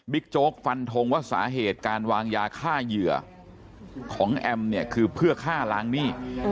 โจ๊กฟันทงว่าสาเหตุการวางยาฆ่าเหยื่อของแอมเนี่ยคือเพื่อฆ่าล้างหนี้